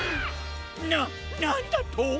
ななんだと！？